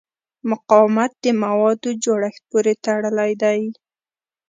مقاومت د موادو جوړښت پورې تړلی دی.